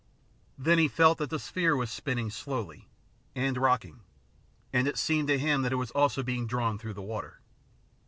Then he felt that the sphere was spinning slowly, and rocking, and it seemed to him that it was also being drawn through the water.